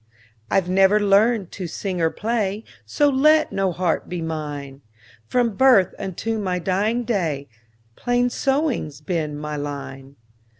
I 've never learned to sing or play, So let no harp be mine; From birth unto my dying day, Plain sewing 's been my line.